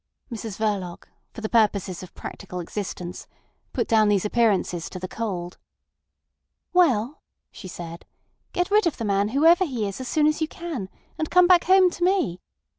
Mrs Verloc, for the purposes of practical existence, put down these appearances to the cold. "Well," she said, "get rid of the man, whoever he is, as soon as you can, and come back home to me.